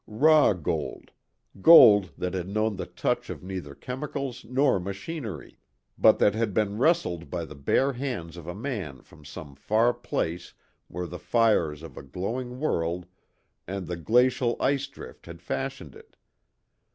Raw gold gold that had known the touch of neither chemicals nor machinery, but that had been wrested by the bare hands of a man from some far place where the fires of a glowing world and the glacial ice drift had fashioned it.